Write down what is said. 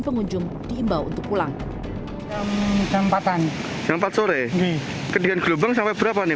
pengunjung diimbau untuk pulang tempatan yang pasore ke dengan gelombang sampai berapa nih